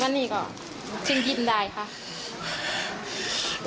วันนี้ก่อนจึงยิ่มได้ค่ะ